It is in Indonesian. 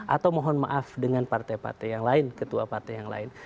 atau mohon maaf dengan partai partai yang lain ketua partai yang lain